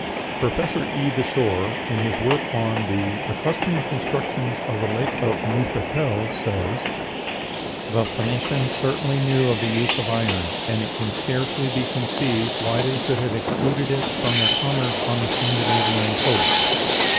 Professor E. Desor, in his work on the "Lacustrian Constructions of the Lake of Neuchatel," says, "The Phoenicians certainly knew the use of iron, and it can scarcely be conceived why they should have excluded it from their commerce on the Scandinavian coasts....